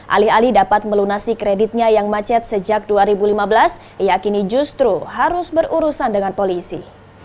alih alih dapat melunasi kreditnya yang macet sejak dua ribu lima belas ia kini justru harus berurusan dengan polisi